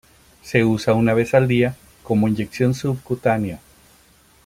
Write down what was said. Se usa una vez al día como inyección subcutánea.